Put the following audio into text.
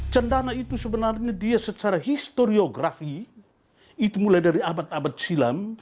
cendana itu sebenarnya dia secara historiografi itu mulai dari abad abad silam